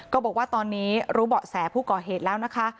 บอกว่าตอนนี้รู้เบาะแสผู้ก่อเหตุแล้วนะคะ